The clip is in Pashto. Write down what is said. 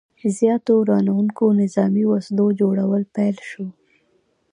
زیاتو ورانوونکو نظامي وسلو جوړول پیل شو.